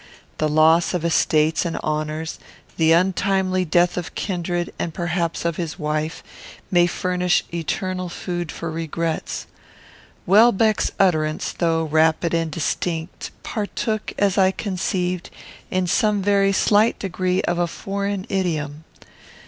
The loss of estates and honours; the untimely death of kindred, and perhaps of his wife, may furnish eternal food for regrets. Welbeck's utterance, though rapid and distinct, partook, as I conceived, in some very slight degree of a foreign idiom.